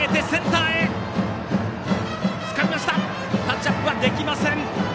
タッチアップはできません！